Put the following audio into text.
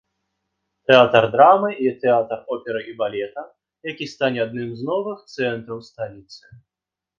Тэатр драмы і тэатр оперы і балета, які стане адным з новых цэнтраў сталіцы!